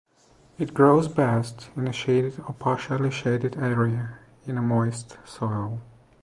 It grows best in a shaded or partially shaded area in a moist soil.